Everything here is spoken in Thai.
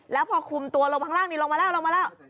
แล้วพอคุมตัวลงข้างล่างนี้ลงมาแล้วลงมาแล้ว